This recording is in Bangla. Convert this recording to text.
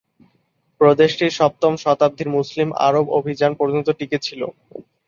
প্রদেশটি সপ্তম শতাব্দীর মুসলিম আরব অভিযান পর্যন্ত টিকে ছিল।